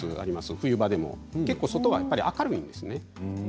冬場でも結構、外は明るいんですね。